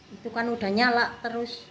itu kan udah nyala terus